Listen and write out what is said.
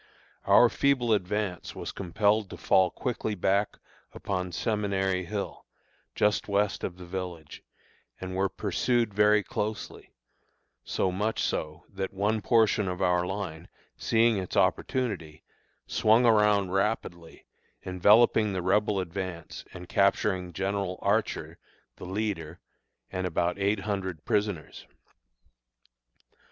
Our feeble advance was compelled to fall quickly back upon Seminary Hill, just west of the village, and were pursued very closely, so much so that one portion of our line, seeing its opportunity, swung around rapidly, enveloping the Rebel advance and capturing General Archer the leader and about eight hundred prisoners.